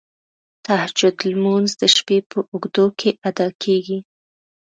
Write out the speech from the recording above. تهجد لمونځ د شپې په اوږدو کې ادا کیږی.